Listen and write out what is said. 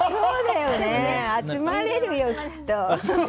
集まれるよ、きっと。